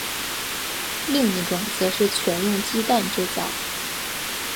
另一种则是全用鸡蛋制造。